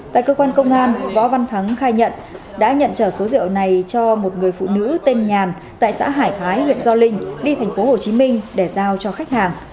tại cơ quan công an võ văn thắng khai nhận đã nhận trở số rượu này cho một người phụ nữ tên nhàn tại xã hải thái huyện gio linh đi tp hcm để giao cho khách hàng